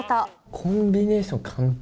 コンビネーション完璧。